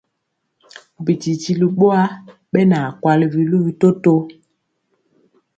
Bititili ɓowa ɓɛ na kwali biluvi toto.